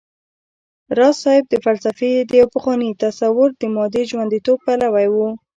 راز صيب د فلسفې د يو پخواني تصور د مادې ژونديتوب پلوی و